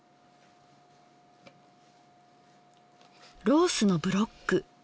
ロースのブロック。